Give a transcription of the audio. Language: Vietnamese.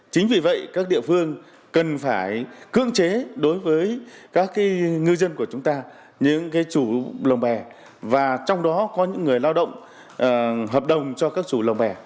chính vì vậy các địa phương cần phải cương chế đối với các ngư dân của chúng ta những chủ lồng bè và trong đó có những người lao động hợp đồng cho các chủ lồng bè